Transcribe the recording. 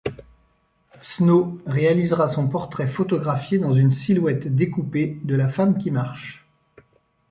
Snow réalisera son portrait photographié dans une silhouette découpée de la femme qui marche.